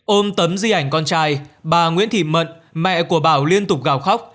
ôm tấm di ảnh con trai bà nguyễn thị mận mẹ của bảo liên tục gào khóc